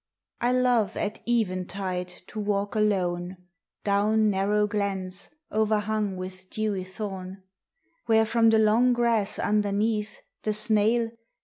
I love at eventide to walk alone, Down narrow glens, o'erhung with dewy thorn, Where from the long grass underneath, the snail.